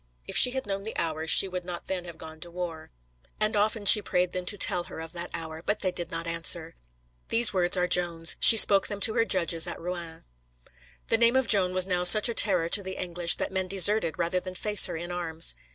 "If she had known the hour she would not then have gone to war. And often she prayed them to tell her of that hour, but they did not answer." These words are Joan's. She spoke them to her judges at Rouen. The name of Joan was now such a terror to the English that men deserted rather than face her in arms.